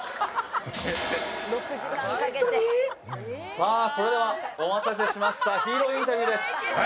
さあそれではお待たせしましたヒーローインタビューです